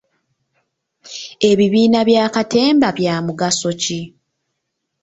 Ebibiina bya katemba bya mugaso ki?